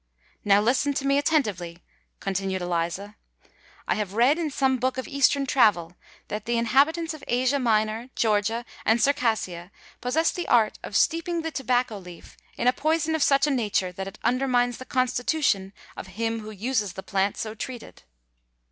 "Now listen to me attentively," continued Eliza: "I have read in some book of eastern travel that the inhabitants of Asia Minor, Georgia, and Circassia, possess the art of steeping the tobacco leaf in a poison of such a nature that it undermines the constitution of him who uses the plant so treated."